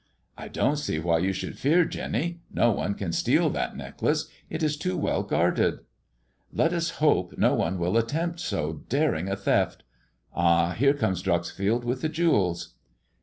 I don't see why you should fear, Jenny. No one can steal that necklace 1 It is too well guarded.'' "Let us hope no one will attempt so daring a theft. Ah! here comes Dreuxfield with the jewels."